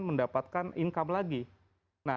mendapatkan income lagi nah